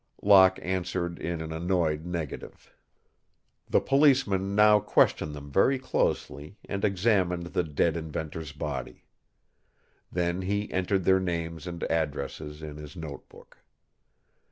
Locke answered in an annoyed negative. The policeman now questioned them very closely and examined the dead inventor's body. Then he entered their names and addresses in his note book.